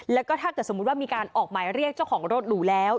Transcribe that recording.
แล้วก็ถ้าเกิดสมมุติว่ามีการออกหมายเรียกเจ้าของรถหรูแล้ว